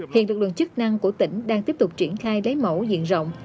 hiện lực lượng chức năng của tỉnh đang tiếp tục triển khai lấy mẫu diện rộng